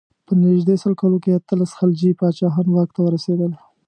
په نژدې سل کالو کې اته خلجي پاچاهان واک ته ورسېدل.